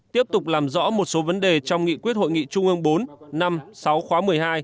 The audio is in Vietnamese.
tiếp tục làm rõ một số vấn đề trong nghị quyết hội nghị trung ương bốn năm sáu khóa một mươi hai